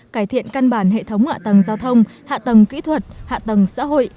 cải thiện căn bản hệ thống hạ tầng giao thông hạ tầng kỹ thuật hạ tầng xã hội